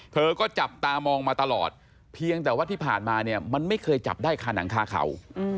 เธอก็จับตามองมาตลอดเพียงแต่ว่าที่ผ่านมาเนี่ยมันไม่เคยจับได้คาหนังคาเขา